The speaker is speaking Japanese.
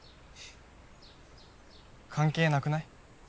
関係なくない？